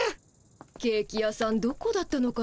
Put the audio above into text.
ケーキ屋さんどこだったのかしらね。